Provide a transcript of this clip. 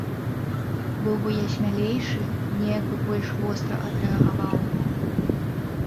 Быў бы я смялейшы, неяк бы больш востра адрэагаваў.